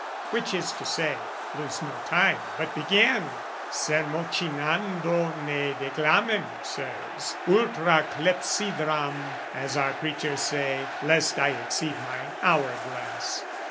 Which is to say, lose no time but begin! Sermocinando ne declamem, Sirs, Ultra clepsydram, as our preachers say, Lest I exceed my hour glass.